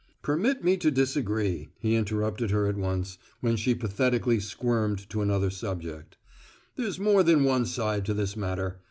"Permit me to disagree," he interrupted her at once, when she pathetically squirmed to another subject. "There's more than one side to this matter.